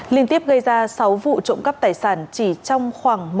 liên tiếp gây ra sáu vụ trộm cắp tài sản chỉ trong khoảng